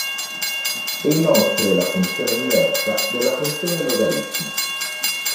È inoltre la funzione inversa della funzione logaritmo.